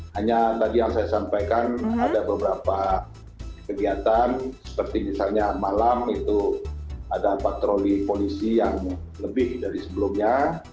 hanya tadi yang saya sampaikan ada beberapa kegiatan seperti misalnya malam itu ada patroli polisi yang lebih dari sebelumnya